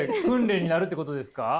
訓練になるってことですか？